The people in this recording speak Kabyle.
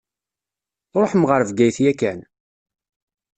Tṛuḥem ɣer Bgayet yakan?